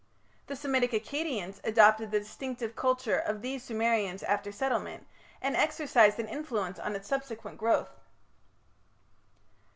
The Semitic Akkadians adopted the distinctive culture of these Sumerians after settlement, and exercised an influence on its subsequent growth.